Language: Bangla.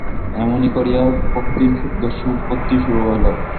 এমনি করিয়া ভক্তির দস্যুবৃত্তি শুরু হইল।